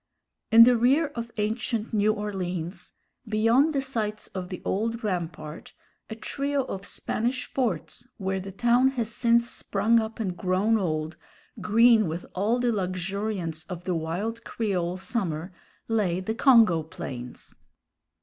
In the rear of ancient New Orleans, beyond the sites of the old rampart, a trio of Spanish forts, where the town has since sprung up and grown old, green with all the luxuriance of the wild Creole summer, lay the Congo Plains.